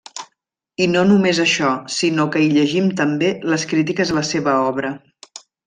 I no només això, sinó que hi llegim també les crítiques a la seva obra.